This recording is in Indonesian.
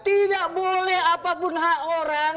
tidak boleh apapun hak orang